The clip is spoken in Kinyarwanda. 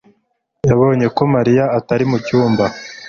yabonye ko Mariya atari mucyumba.